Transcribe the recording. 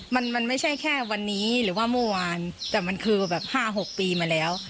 มันมันไม่ใช่แค่วันนี้หรือว่าเมื่อวานแต่มันคือแบบห้าหกปีมาแล้ว